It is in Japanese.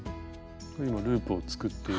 今ループを作っている。